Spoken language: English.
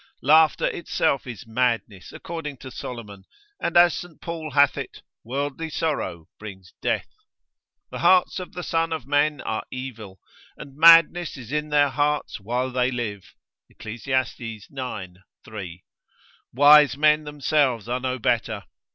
Laughter itself is madness according to Solomon, and as St. Paul hath it, Worldly sorrow brings death. The hearts of the sons of men are evil, and madness is in their hearts while they live, Eccl. ix. 3. Wise men themselves are no better.